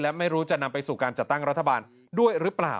และไม่รู้จะนำไปสู่การจัดตั้งรัฐบาลด้วยหรือเปล่า